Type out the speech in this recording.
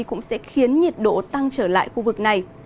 cũng sẽ khiến nhiệt độ tăng trở lại khu vực này